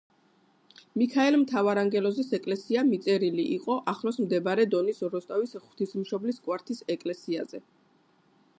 მიქაელ მთავარანგელოზის ეკლესია მიწერილი იყო ახლოს მდებარე დონის როსტოვის ღვთისმშობლის კვართის ეკლესიაზე.